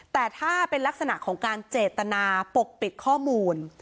แต่ถ้าเป็นลักษณะของการเจตนาปกปิดข้อมูล